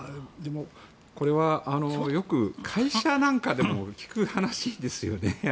これはよく会社なんかでも聞く話ですよね。